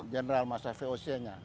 jenderal masa voc nya